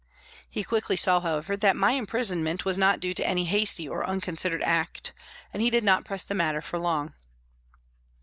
He quickly saw, however, that my imprisonment was not due to any hasty or unconsidered act, and he did not press the matter for long.